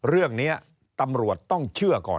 เรื่องนี้ตำรวจต้องเชื่อก่อน